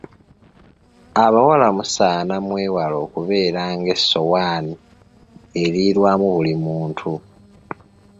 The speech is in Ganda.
Abawala musaana mwewalae okubeera ng'essowaani erirwamu buli muntu.